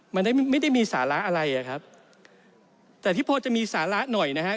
มันได้ไม่ได้มีสาระอะไรอ่ะครับแต่ที่พอจะมีสาระหน่อยนะฮะ